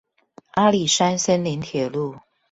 阿里山森林鐵路